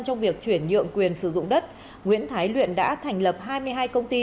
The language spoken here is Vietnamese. trong việc chuyển nhượng quyền sử dụng đất nguyễn thái luyện đã thành lập hai mươi hai công ty